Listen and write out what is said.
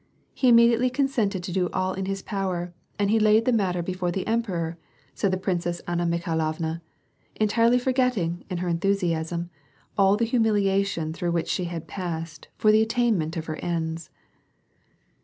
He immediately con sented to do all in his power, and he laid the matter before the Emperor," said the Princess Anna Mikhailovna, entirely for getting, in her enthusiasm, all the humiliation through which she had passed, for the attainment of her ends.